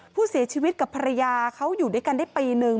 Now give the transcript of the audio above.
ผู้เสียชีวิตกับภรรยาเขาอยู่ด้วยกันได้ปีนึง